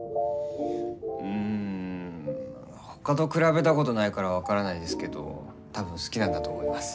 うんほかと比べたことないから分からないですけど多分好きなんだと思います。